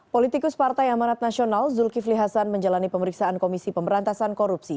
politikus partai amanat nasional zulkifli hasan menjalani pemeriksaan komisi pemberantasan korupsi